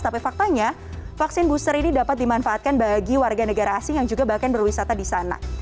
tapi faktanya vaksin booster ini dapat dimanfaatkan bagi warga negara asing yang juga bahkan berwisata di sana